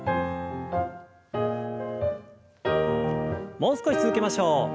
もう少し続けましょう。